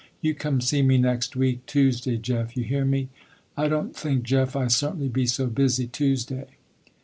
You come see me next week Tuesday Jeff, you hear me. I don't think Jeff I certainly be so busy, Tuesday."